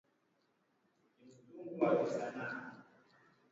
Kula vyakula vyenye vimelea vya ugonjwa wa kutupa mimba hueneza ugonjwa kwa ngombe